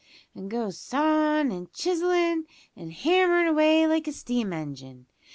an' goes sawin' and chisellin' and hammerin' away like a steam engine.